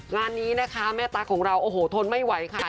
งานนี้นะคะแม่ตั๊กของเราโอ้โหทนไม่ไหวค่ะ